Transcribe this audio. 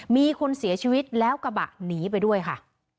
มีคนเสียชีวิตแล้วกระบะหนีไปด้วยค่ะ